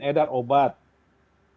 yang diperlukan oleh b pom